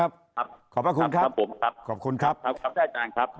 และทีมงานนะครับขอบพระคุณครับครับผมครับขอบคุณครับครับครับท่านครับ